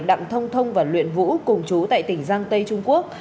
đặng thông thông và luyện vũ cùng chú tại tỉnh giang tây trung quốc